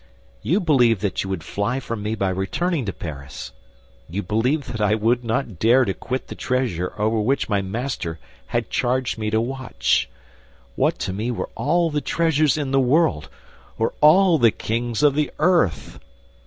You believed that you would fly from me by returning to Paris; you believed that I would not dare to quit the treasure over which my master had charged me to watch. What to me were all the treasures in the world, or all the kings of the earth!